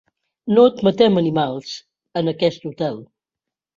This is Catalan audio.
No admetem animals, en aquest hotel.